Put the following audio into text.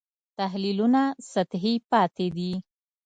تحلیلونه سطحي پاتې دي.